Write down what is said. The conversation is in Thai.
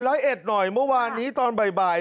ร้อยเอ็ดหน่อยเมื่อวานนี้ตอนบ่ายบ่าย